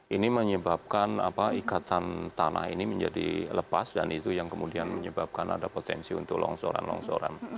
ini menyebabkan ikatan tanah ini menjadi lepas dan itu yang kemudian menyebabkan ada potensi untuk longsoran longsoran